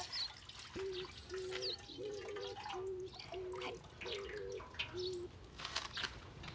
はい。